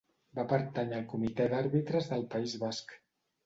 Va pertànyer al Comitè d'Àrbitres del País Basc.